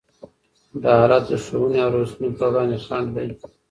دا حالت د ښوونې او روزنې پر وړاندې خنډ دی.